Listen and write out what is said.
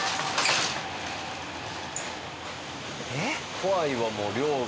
怖いわもう量が。